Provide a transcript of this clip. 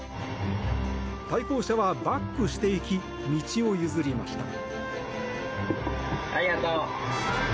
対向車はバックしていき道を譲りました。